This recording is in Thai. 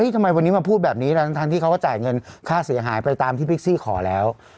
ทำไมวันนี้มาพูดแบบนี้ทั้งที่เขาก็จ่ายเงินค่าเสียหายไปตามที่พิกซี่ขอแล้ว